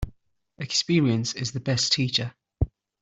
Experience is the best teacher.